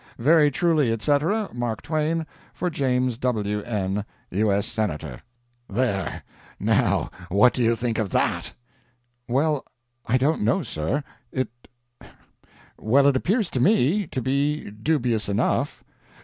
"'Very truly, etc., "'MARK TWAIN, "'For James W. N , U. S. Senator.' "There now what do you think of that?" "Well, I don't know, sir. It well, it appears to me to be dubious enough."